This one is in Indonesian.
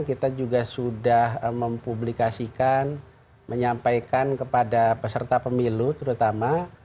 kita juga sudah mempublikasikan menyampaikan kepada peserta pemilu terutama